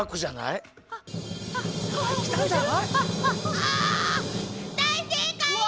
あ大正解よ！